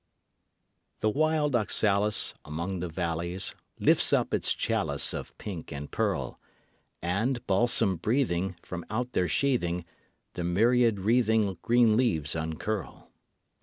The wild oxalis Among the valleys Lifts up its chalice Of pink and pearl; And, balsam breathing, From out their sheathing, The myriad wreathing Green leaves uncurl.